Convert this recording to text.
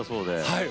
はい。